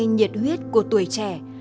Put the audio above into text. nhiệt huyết của tuổi trẻ